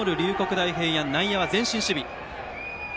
大平安内野は前進守備。